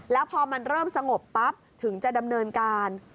แล้วพอมันเริ่มสงบปั๊บถึงจะดำเนินการ